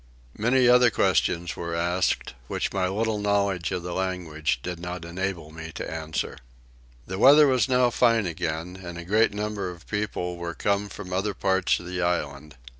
Many other questions were asked which my little knowledge of the language did not enable me to answer. The weather was now fine again and a great number of people were come from other parts of the island.